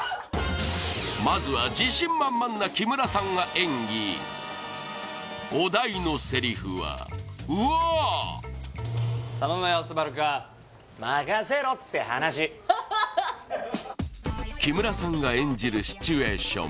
まずは自信満々な木村さんが演技お題のセリフは木村さんが演じるシチュエーション